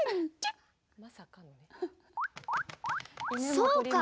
そうか！